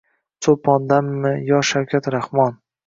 Choʼlpondanmi, yo Shavkat Rahmon